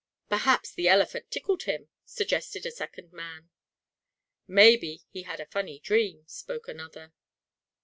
"Perhaps the elephant tickled him," suggested a second man. "Maybe he had a funny dream," spoke another.